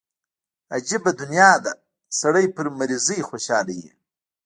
عجبه دنيا ده سړى پر مريضۍ خوشاله وي.